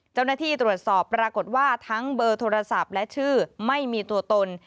เจ้าหน้าที่ตรวจสอบปรากฏว่าทั้งเบอร์โทรศัพท์และชื่อไม่มีตัวตน